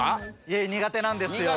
苦手なんですよ。